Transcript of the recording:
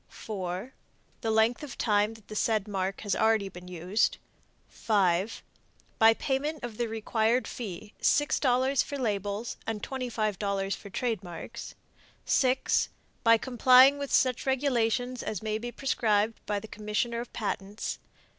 4. The length of time that the said mark has already been used. 5. By payment of the required fee $6 for labels and $25 for trademarks. 6. By complying with such regulations as may be prescribed by the Commissioner of Patents.